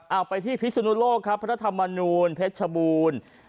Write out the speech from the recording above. เอาไปที่พิศนุโลกครับพระธรรมนูลเพชรชบูรณ์